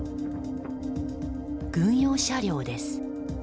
軍用車両です。